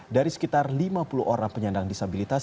dari sekitar lima puluh orang penyandang disabilitas